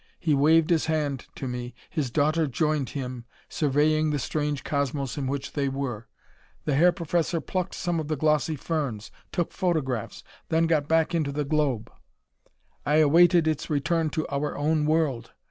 He waved his hand to me. His daughter joined him, surveying the strange cosmos in which they were. The Herr Professor plucked some of the glossy ferns, took photographs, then got back into the globe. "I awaited its return to our own world.